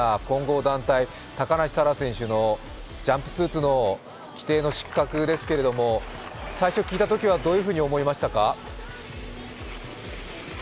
混合団体、高梨沙羅選手のジャンプスーツの規定の失格ですけれども、最初聞いたときはどういうふうに思いましたか。